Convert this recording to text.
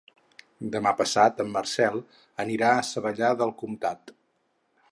Demà passat en Marcel anirà a Savallà del Comtat.